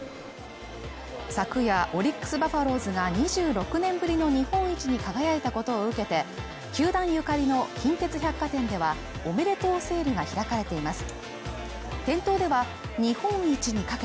昨夜オリックスバファローズが２６年ぶりの日本一に輝いたことを受けて球団ゆかりの近鉄百貨店ではおめでとうセールが開かれています